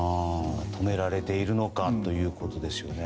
止められているのかということですよね。